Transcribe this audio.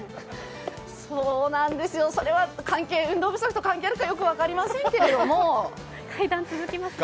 そうなんですよ、それは運動不足と関係あるか分かりませんけれども。